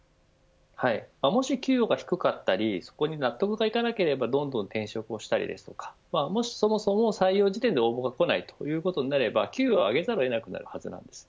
もし、給与が低かったりそこに納得がいかなければどんどん転職をしたりですとかそもそも採用時点で応募が来ないということになれば給与を上げざるを得なくなるはずなんです。